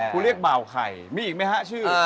คุณเรียกบ่าวไข่มีอีกไหมฮะชื่อ